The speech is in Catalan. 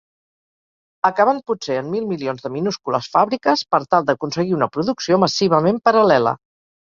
Acabant potser en mil milions de minúscules fàbriques per tal d'aconseguir una producció massivament paral·lela.